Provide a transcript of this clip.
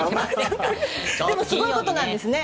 でもすごいことなんですね。